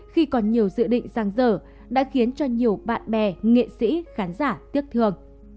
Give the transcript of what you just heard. khi còn nhiều dự định giang dở đã khiến cho nhiều bạn bè nghệ sĩ khán giả tiếc thương